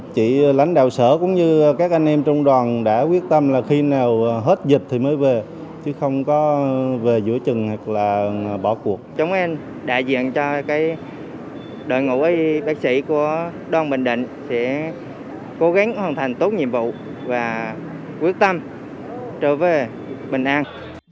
chúng em đại diện cho đội ngũ y bác sĩ của đoàn bình định sẽ cố gắng hoàn thành tốt nhiệm vụ và quyết tâm trở về bình an